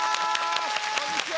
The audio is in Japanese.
こんにちは。